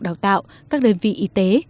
đào tạo các đơn vị y tế